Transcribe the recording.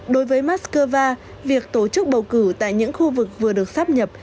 đối với moscow việc tổ chức bầu cử tại những khu vực vừa được sắp nhập